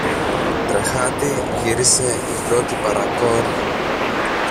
Τρεχάτη γύρισε η πρώτη παρακόρη.